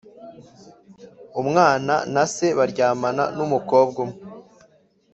Umwana na se baryamana n’umukobwa umwe